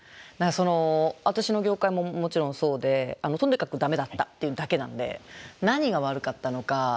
私の業界ももちろんそうでとにかくダメだったっていうだけなんで何が悪かったのか。